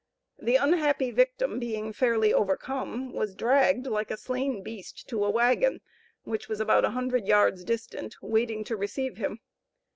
The unhappy victim being fairly overcome, was dragged like a slain beast to a wagon, which was about a hundred yards distant, waiting to receive him.